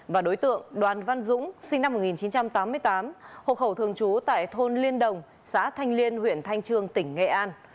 và đối tượng đoàn văn dũng sinh năm một nghìn chín trăm tám mươi tám hộ khẩu thường trú tại thôn liên đồng xã thanh liên huyện thanh trương tỉnh nghệ an